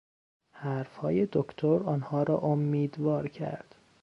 حرفهای دکتر آنها را امیدوار کرد.